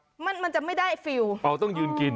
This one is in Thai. โควิดมันจะไม่ได้ฟิลค์โควิดอ๋อต้องยืนกิน